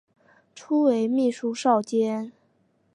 初为秘书少监。